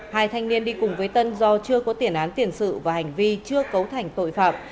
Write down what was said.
hai thanh niên đi cùng với tân do chưa có tiền án tiền sự và hành vi chưa cấu thành tội phạm